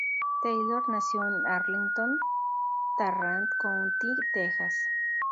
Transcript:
Taylor nació en Arlington, Tarrant County, Texas.